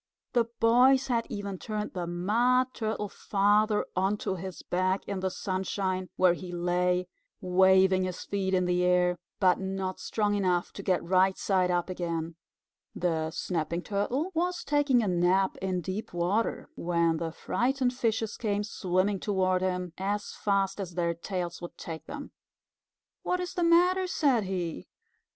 The boys had even turned the Mud Turtle Father onto his back in the sunshine, where he lay, waving his feet in the air, but not strong enough to get right side up again. The Snapping Turtle was taking a nap in deep water, when the frightened fishes came swimming toward him as fast as their tails would take them. "What is the matter?" said he.